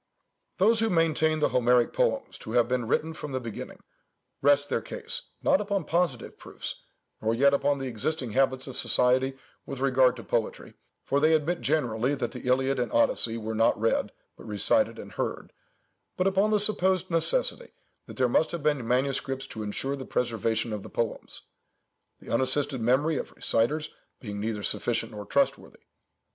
"Those who maintain the Homeric poems to have been written from the beginning, rest their case, not upon positive proofs, nor yet upon the existing habits of society with regard to poetry—for they admit generally that the Iliad and Odyssey were not read, but recited and heard,—but upon the supposed necessity that there must have been manuscripts to ensure the preservation of the poems—the unassisted memory of reciters being neither sufficient nor trustworthy.